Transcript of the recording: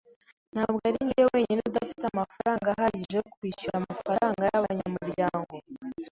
Ntabwo arinjye wenyine udafite amafaranga ahagije yo kwishyura amafaranga yabanyamuryango.